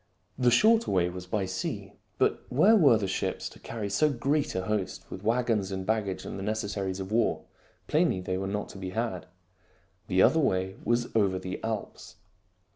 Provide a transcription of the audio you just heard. The shorter way was by sea. But where were the ships to carry so great a host with wagons and baggage and the necessaries of war ? Plainly they were not to be had. The other way was over the Alps.